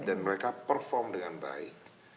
dan mereka perform dengan baik